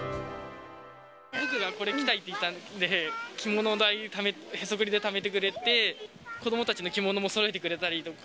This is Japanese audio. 僕がこれ着たいって言ったんで、着物代、へそくりでためてくれて、子どもたちの着物もそろえてくれたりとか。